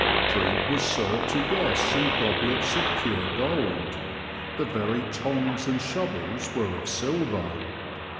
Drink was served to guests in goblets of pure gold. The very tongs and shovels were of silver.